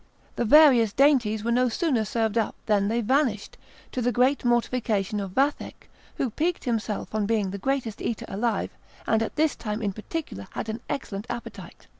The various dainties were no sooner served up than they vanished, to the great mortification of Vathek, who piqued himself on being the greatest eater alive, and at this time in particular had an excellent appetite.